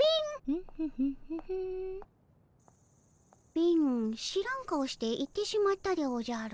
貧知らん顔して行ってしまったでおじゃる。